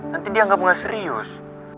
nanti dianggap nggak serius